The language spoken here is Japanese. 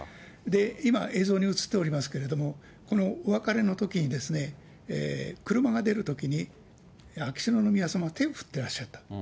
今映像に映っておりますけれども、このお別れのときに、車が出るときに、秋篠宮さま、手を振ってらっしゃった。